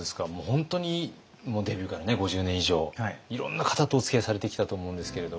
本当にもうデビューから５０年以上いろんな方とおつきあいされてきたと思うんですけれども。